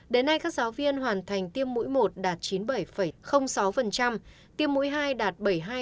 đến nay các giáo viên hoàn thành tiêm mũi một đạt chín mươi bảy sáu tiêm mũi hai đạt bảy mươi hai tám mươi năm